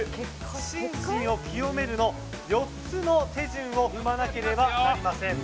心身を清めるの４つの手順を踏まなければなりません。